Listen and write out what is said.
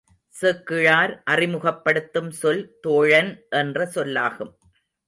சேக்கிழார் அறிமுகப்படுத்தும் சொல் தோழன் என்ற சொல்லாகும்.